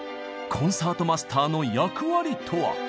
コンサートマスターの役割とは？